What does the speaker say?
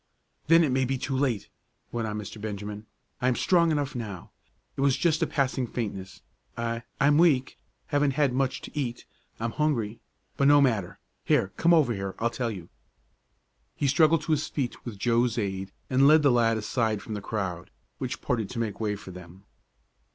"Then it may be too late," went on Mr. Benjamin. "I am strong enough now. It was just a passing faintness. I I am weak haven't had much to eat I'm hungry. But no matter. Here, come over here, I'll tell you." He struggled to his feet with Joe's aid and led the lad aside from the crowd, which parted to make way for them.